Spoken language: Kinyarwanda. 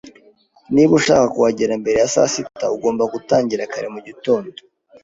Niba ushaka kuhagera mbere ya saa sita, ugomba gutangira kare mu gitondo